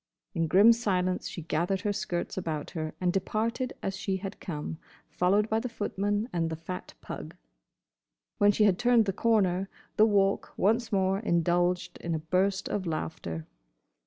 In grim silence she gathered her skirts about her and departed as she had come, followed by the footman and the fat pug. When she had turned the corner the Walk once more indulged in a burst of laughter.